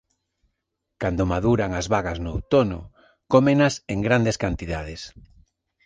Cando maduran as bagas no outono cómenas en grandes cantidades.